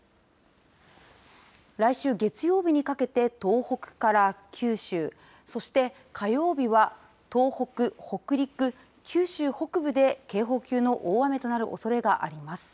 来週月曜日にかけて、東北から九州そして、火曜日は、東北、北陸、九州北部で、警報級の大雨となるおそれがあります。